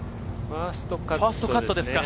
ファーストカットですね。